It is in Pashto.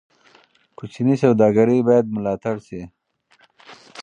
کوچني سوداګرۍ باید ملاتړ شي.